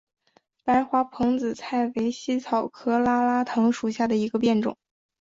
白花蓬子菜为茜草科拉拉藤属下的一个变种。